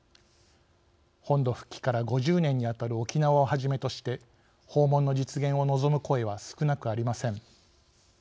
本土復帰から５０年にあたる沖縄をはじめとして訪問の実現を望む声は少なくありません。